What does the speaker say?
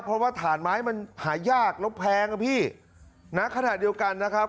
เพราะว่าฐานไม้มันหายากแล้วแพงอ่ะพี่ณขณะเดียวกันนะครับ